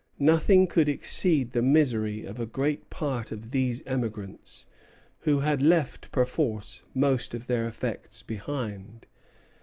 Nothing could exceed the misery of a great part of these emigrants, who had left perforce most of their effects behind.